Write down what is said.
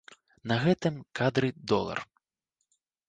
На гэтым кадры долар.